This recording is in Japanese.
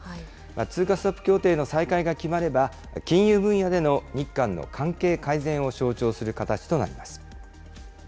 通貨スワップ協定の再開が決まれば、金融分野での日韓の関係改善を象徴する形となります。